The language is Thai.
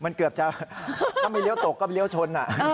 มันเกือบจะถ้าไม่เรี้ยวตกเรี้ยวชนอ่ะ